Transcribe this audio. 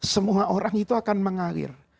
semua orang itu akan mengalir